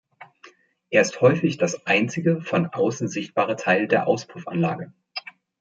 Er ist häufig das einzige von außen sichtbare Teil der Auspuffanlage.